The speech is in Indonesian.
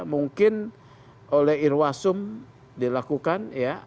mungkin oleh irwasum dilakukan ya